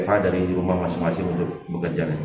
atau home dari wfa dari rumah masing masing untuk bekerja